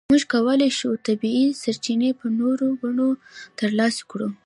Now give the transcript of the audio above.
موږ کولای شو طبیعي سرچینې په نورو بڼو ترلاسه کړو.